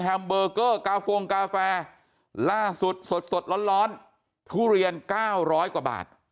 เบอร์เกอร์กาโฟงกาแฟล่าสุดสดสดร้อนทุเรียน๙๐๐กว่าบาท